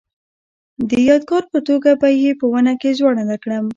د یادګار په توګه به یې په ونه کې ځوړنده کړم.